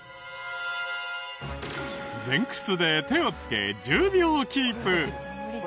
前屈で手をつけ１０秒キープ。